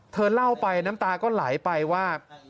เธอเล่าไปน้ำตาก็ไหลไปว่า